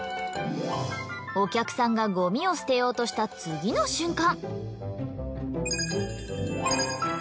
お客さんがゴミを捨てようとした次の瞬間。